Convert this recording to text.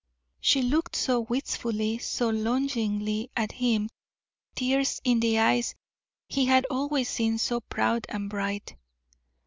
She looked so wistfully, so longingly at him tears in the eyes he had always seen so proud and bright.